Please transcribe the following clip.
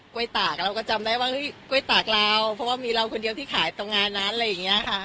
้วยตากเราก็จำได้ว่าเฮ้ยกล้วยตากเราเพราะว่ามีเราคนเดียวที่ขายตรงงานนั้นอะไรอย่างนี้ค่ะ